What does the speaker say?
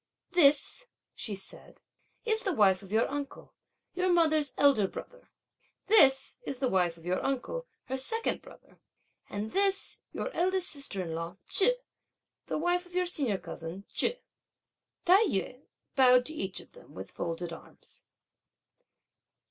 "This," she said, "is the wife of your uncle, your mother's elder brother; this is the wife of your uncle, her second brother; and this is your eldest sister in law Chu, the wife of your senior cousin Chu." Tai yü bowed to each one of them (with folded arms).